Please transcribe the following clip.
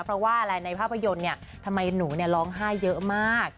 เพราะว่าอะไรในภาพยนตร์เนี่ยทำไมหนูร้องไห้เยอะมาก